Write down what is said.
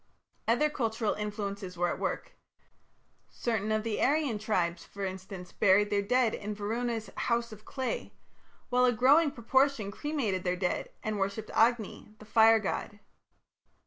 Other cultural influences were at work. Certain of the Aryan tribes, for instance, buried their dead in Varuna's "house of clay", while a growing proportion cremated their dead and worshipped Agni, the fire god.